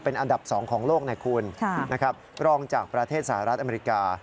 เป็นอันดับ๒ของโลกนะคุณนะครับรองจากประเทศสหรัฐอเมริกา